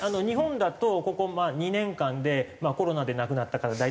日本だとここ２年間でコロナで亡くなった方